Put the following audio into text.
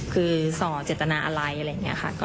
คือส่อเจตนาอะไรอะไรอย่างนี้ค่ะ